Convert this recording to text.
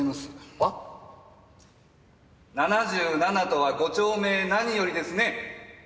７７とはご長命何よりですね！